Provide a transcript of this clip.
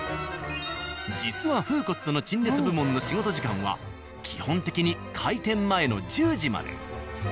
実は「フーコット」の陳列部門の仕事時間は基本的に開店前の１０時まで。